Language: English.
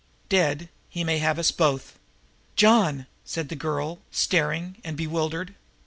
Dead he may have us both." "John!" said the girl, staring and bewildered.